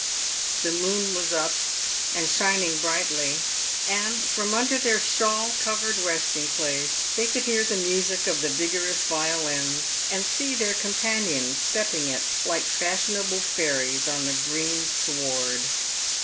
The moon was up, and shining brightly, and from under their shawl covered resting place they could hear the music of the vigorous violins, and see their companions stepping it like fashionable fairies on the green sward*. 1 ^ PAVED WITH GOLD.